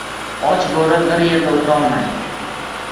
• Och bo‘ri bir yerda o‘tirolmaydi.